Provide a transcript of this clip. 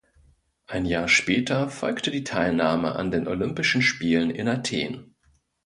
Ein Jahr später folgte die Teilnahme an den Olympischen Spielen in Athen.